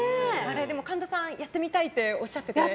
神田さん、やってみたいっておっしゃってましたね。